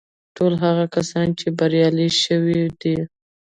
ټول هغه کسان چې بريالي شوي دي.